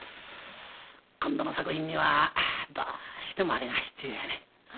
今度の作品にはどうしてもあれが必要やねん。